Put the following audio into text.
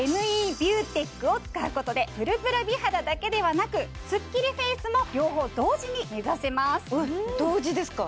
ＭＥビューテックを使うことでプルプル美肌だけではなくスッキリフェイスも両方同時に目指せますおっ同時ですか？